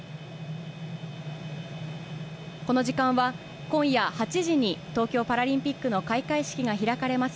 この時間は、今夜８時に東京パラリンピックの開会式が開かれます